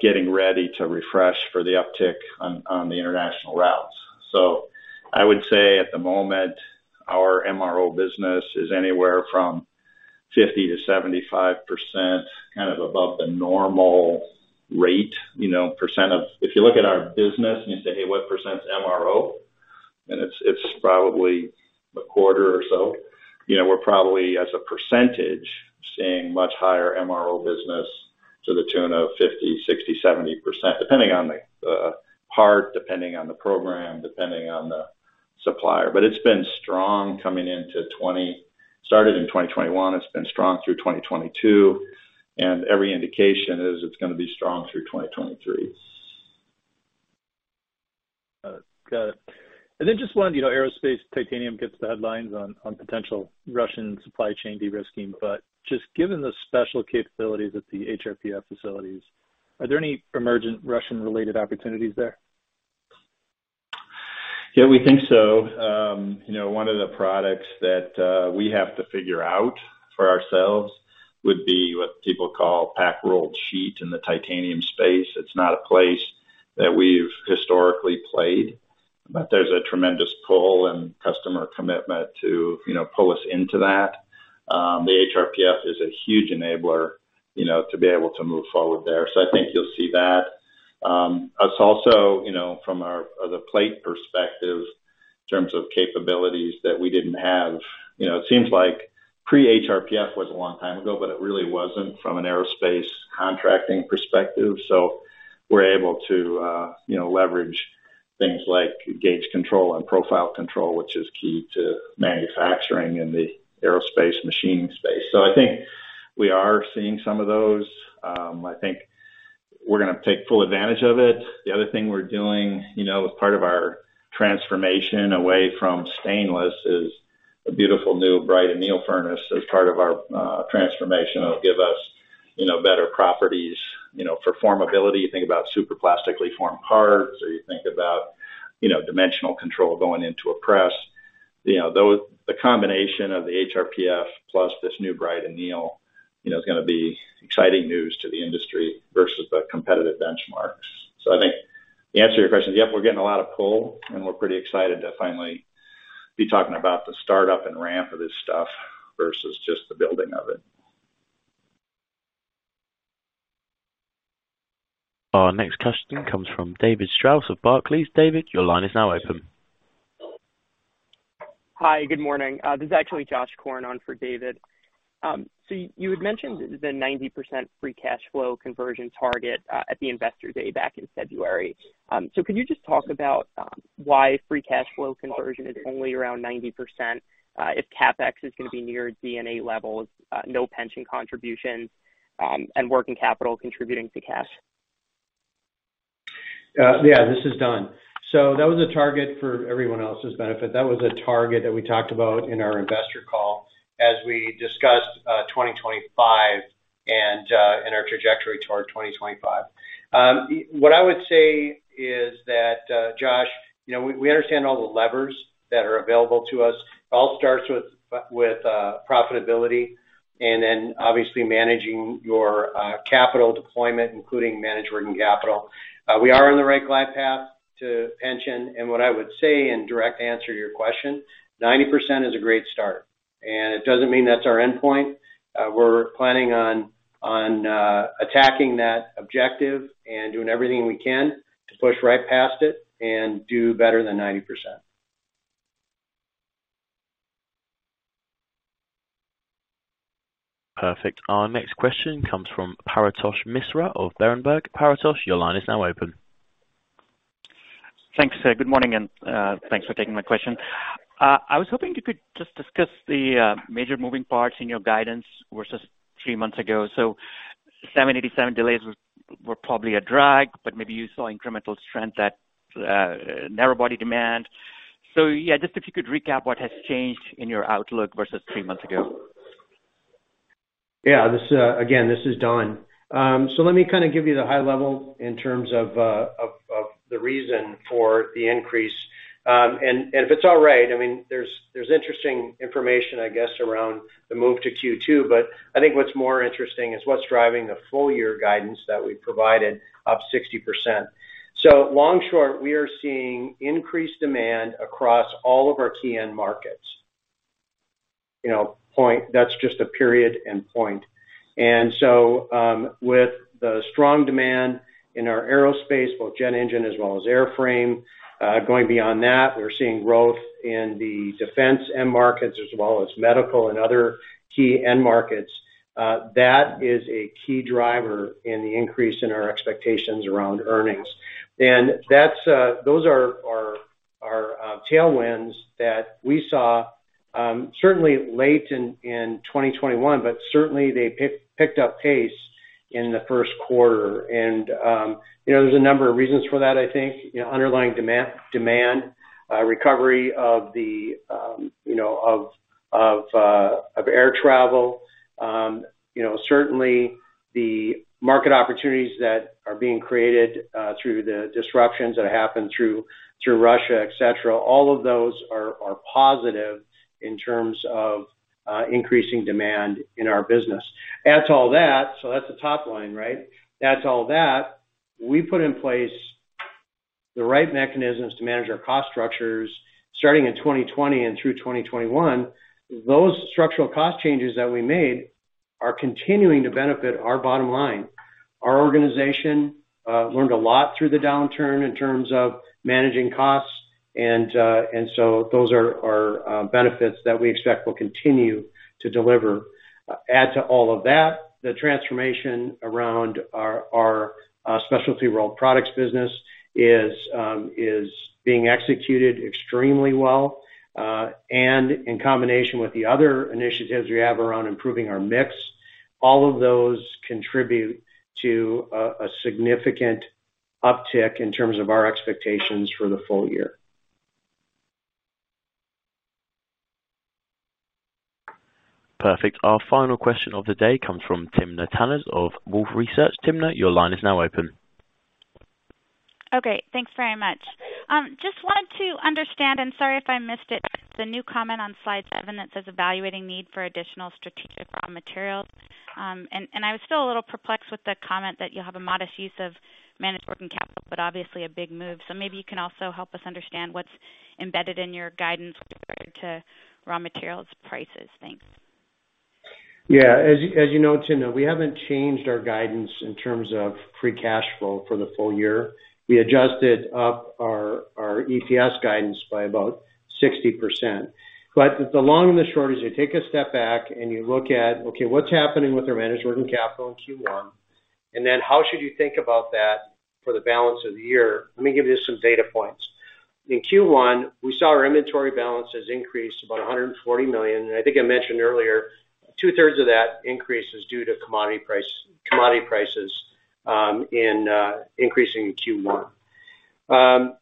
getting ready to refresh for the uptick on the international routes. I would say at the moment, our MRO business is anywhere from 50%-75%, kind of above the normal rate, you know, percent of... If you look at our business and you say, "Hey, what percent's MRO?" It's probably a quarter or so. You know, we're probably, as a percentage, seeing much higher MRO business to the tune of 50%, 60%, 70%, depending on the part, depending on the program, depending on the supplier. It's been strong coming into 2020. Started in 2021, it's been strong through 2022, and every indication is it's gonna be strong through 2023. Got it. Just one, you know, aerospace titanium gets the headlines on potential Russian supply chain de-risking. Just given the special capabilities at the HRPF facilities, are there any emergent Russian-related opportunities there? Yeah, we think so. You know, one of the products that we have to figure out for ourselves would be what people call pack rolled sheet in the titanium space. It's not a place that we've historically played, but there's a tremendous pull and customer commitment to, you know, pull us into that. The HRPF is a huge enabler, you know, to be able to move forward there. I think you'll see that. We also, you know, from the plate perspective in terms of capabilities that we didn't have. You know, it seems like pre-HRPF was a long time ago, but it really wasn't from an aerospace contracting perspective. We're able to, you know, leverage things like gauge control and profile control, which is key to manufacturing in the aerospace machining space. I think we are seeing some of those. I think we're gonna take full advantage of it. The other thing we're doing, you know, as part of our transformation away from stainless is a beautiful new bright anneal furnace as part of our transformation. It'll give us, you know, better properties, you know, for formability. You think about super plastically formed parts, or you think about, you know, dimensional control going into a press. You know, those, the combination of the HRPF plus this new bright anneal, you know, is gonna be exciting news to the industry versus the competitive benchmarks. I think the answer to your question is, yep, we're getting a lot of pull, and we're pretty excited to finally be talking about the startup and ramp of this stuff versus just the building of it. Our next question comes from David Strauss of Barclays. David, your line is now open. Hi, good morning. This is actually Josh Korn on for David. You had mentioned the 90% free cash flow conversion target at the Investor Day back in February. Could you just talk about why free cash flow conversion is only around 90%, if CapEx is gonna be near D&A levels, no pension contributions, and working capital contributing to cash? Yeah, this is Don. That was a target for everyone else's benefit. That was a target that we talked about in our investor call as we discussed 2025 and our trajectory toward 2025. What I would say is that, Josh, you know, we understand all the levers that are available to us. It all starts with profitability and then obviously managing your capital deployment, including managed working capital. We are on the right glide path to pension. What I would say in direct answer to your question, 90% is a great start, and it doesn't mean that's our endpoint. We're planning on attacking that objective and doing everything we can to push right past it and do better than 90%. Perfect. Our next question comes from Paretosh Misra of Berenberg. Paretosh, your line is now open. Thanks, sir. Good morning, and thanks for taking my question. I was hoping you could just discuss the major moving parts in your guidance versus three months ago. 787 delays were probably a drag, but maybe you saw incremental strength at narrow body demand. Yeah, just if you could recap what has changed in your outlook versus three months ago. Yeah. This is Don. Let me kind of give you the high level in terms of the reason for the increase. If it's all right, I mean, there's interesting information, I guess, around the move to Q2, but I think what's more interesting is what's driving the full year guidance that we provided up 60%. Long story short, we are seeing increased demand across all of our key end markets. You know, point. That's just a period and point. With the strong demand in our aerospace, both jet engine as well as airframe, going beyond that, we're seeing growth in the defense end markets as well as medical and other key end markets. That is a key driver in the increase in our expectations around earnings. Those are tailwinds that we saw certainly late in 2021, but certainly they picked up pace in the first quarter. You know, there's a number of reasons for that, I think. You know, underlying demand recovery of air travel. You know, certainly the market opportunities that are being created through the disruptions that happened through Russia, et cetera, all of those are positive in terms of increasing demand in our business. Add to all that. That's the top line, right? Add to all that, we put in place the right mechanisms to manage our cost structures starting in 2020 and through 2021. Those structural cost changes that we made are continuing to benefit our bottom line. Our organization learned a lot through the downturn in terms of managing costs, and so those are benefits that we expect will continue to deliver. Add to all of that, the transformation around our Specialty Rolled Products business is being executed extremely well, and in combination with the other initiatives we have around improving our mix, all of those contribute to a significant uptick in terms of our expectations for the full year. Perfect. Our final question of the day comes from Timna Tanners of Wolfe Research. Timna, your line is now open. Okay. Thanks very much. Just wanted to understand, and sorry if I missed it, the new comment on slide seven that says evaluating need for additional strategic raw materials. I was still a little perplexed with the comment that you have a modest use of managed working capital, but obviously a big move. Maybe you can also help us understand what's embedded in your guidance with regard to raw materials prices? Thanks. Yeah. As you know, Timna, we haven't changed our guidance in terms of free cash flow for the full year. We adjusted up our EPS guidance by about 60%. The long and the short is you take a step back and you look at, okay, what's happening with our managed working capital in Q1, and then how should you think about that for the balance of the year? Let me give you some data points. In Q1, we saw our inventory balances increase about $140 million. I think I mentioned earlier, 2/3 of that increase is due to commodity prices increasing in Q1.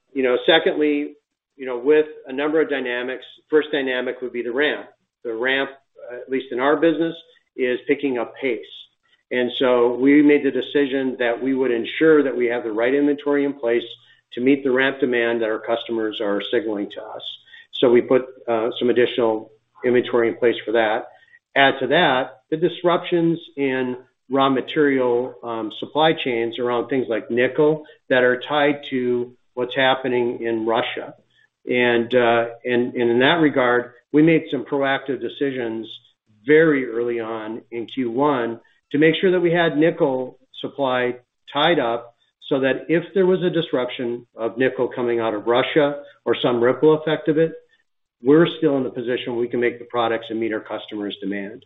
Secondly, with a number of dynamics, first dynamic would be the ramp. The ramp, at least in our business, is picking up pace. We made the decision that we would ensure that we have the right inventory in place to meet the ramp demand that our customers are signaling to us. We put some additional inventory in place for that. Add to that, the disruptions in raw material supply chains around things like nickel that are tied to what's happening in Russia. In that regard, we made some proactive decisions very early on in Q1 to make sure that we had nickel supply tied up so that if there was a disruption of nickel coming out of Russia or some ripple effect of it, we're still in the position where we can make the products and meet our customers' demand.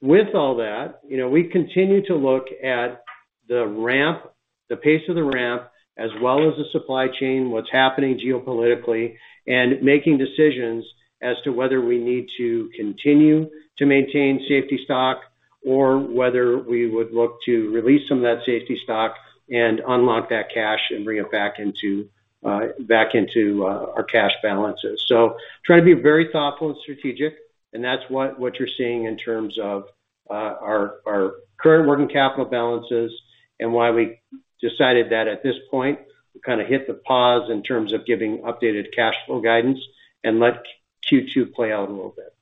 With all that, you know, we continue to look at the ramp, the pace of the ramp, as well as the supply chain, what's happening geopolitically, and making decisions as to whether we need to continue to maintain safety stock or whether we would look to release some of that safety stock and unlock that cash and bring it back into our cash balances. Trying to be very thoughtful and strategic, and that's what you're seeing in terms of our current working capital balances and why we decided that at this point, we kind of hit the pause in terms of giving updated cash flow guidance and let Q2 play out a little bit.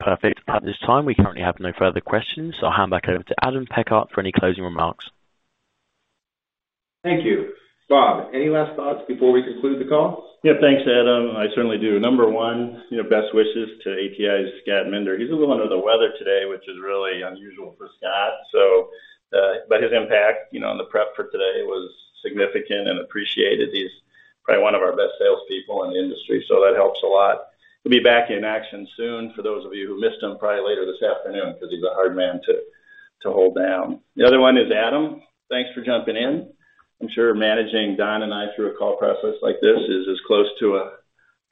Perfect. At this time, we currently have no further questions. I'll hand back over to Adam Pechart for any closing remarks. Thank you. Bob, any last thoughts before we conclude the call? Yeah. Thanks, Adam. I certainly do. Number one, you know, best wishes to ATI's Scott Minder. He's a little under the weather today, which is really unusual for Scott. His impact, you know, on the prep for today was significant and appreciated. He's probably one of our best salespeople in the industry, so that helps a lot. He'll be back in action soon, for those of you who missed him, probably later this afternoon, because he's a hard man to hold down. The other one is Adam. Thanks for jumping in. I'm sure managing Don and I through a call process like this is as close to a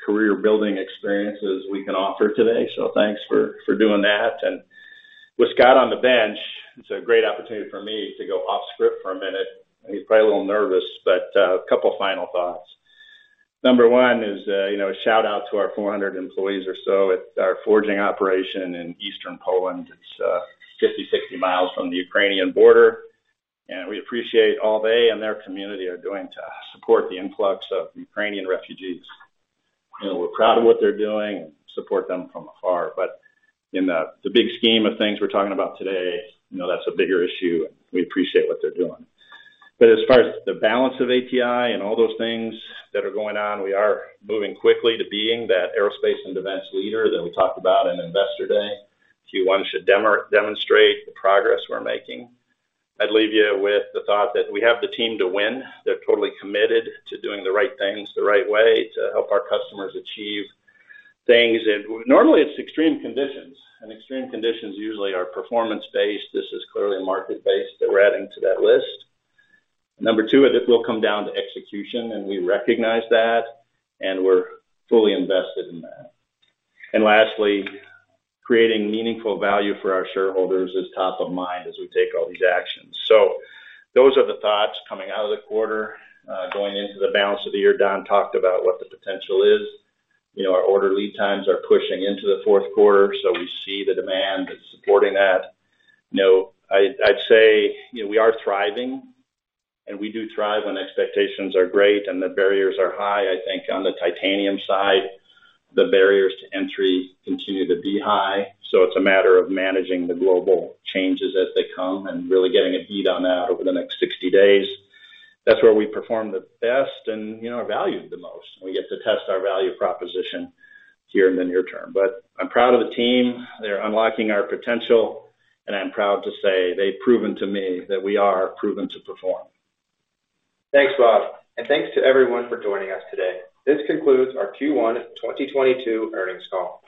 career-building experience as we can offer today. Thanks for doing that. With Scott on the bench, it's a great opportunity for me to go off script for a minute, and he's probably a little nervous, but a couple final thoughts. Number one is, you know, a shout-out to our 400 employees or so at our forging operation in Eastern Poland. It's 50, 60 mi from the Ukrainian border, and we appreciate all they and their community are doing to support the influx of Ukrainian refugees. You know, we're proud of what they're doing and support them from afar. In the big scheme of things we're talking about today, you know, that's a bigger issue, and we appreciate what they're doing. As far as the balance of ATI and all those things that are going on, we are moving quickly to being that aerospace and defense leader that we talked about in Investor Day. Q1 should demonstrate the progress we're making. I'd leave you with the thought that we have the team to win. They're totally committed to doing the right things the right way to help our customers achieve things. Normally, it's extreme conditions, and extreme conditions usually are performance-based. This is clearly market-based that we're adding to that list. Number two is this will come down to execution, and we recognize that, and we're fully invested in that. Lastly, creating meaningful value for our shareholders is top of mind as we take all these actions. Those are the thoughts coming out of the quarter. Going into the balance of the year, Don talked about what the potential is. You know, our order lead times are pushing into the fourth quarter, so we see the demand that's supporting that. You know, I'd say, you know, we are thriving, and we do thrive when expectations are great and the barriers are high. I think on the titanium side, the barriers to entry continue to be high, so it's a matter of managing the global changes as they come and really getting a read on that over the next 60 days. That's where we perform the best and, you know, are valued the most, and we get to test our value proposition here in the near term. I'm proud of the team. They're unlocking our potential, and I'm proud to say they've proven to me that we are proven to perform. Thanks, Bob, and thanks to everyone for joining us today. This concludes our Q1 2022 earnings call.